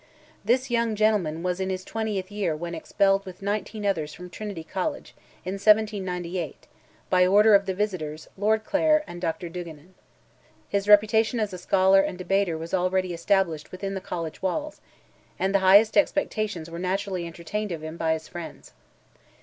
This young gentleman was in his 20th year when expelled with nineteen others from Trinity College, in 1798, by order of the visitors, Lord Clare and Dr. Duigenan. His reputation as a scholar and debater was already established within the college walls, and the highest expectations were naturally entertained of him, by his friends.